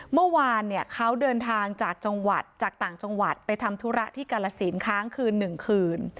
เมื่อวานเนี่ยเขาเดินทางจากจังหวัดจากต่างจังหวัดไปทำธุระที่กาลสินค้างคืน๑คืน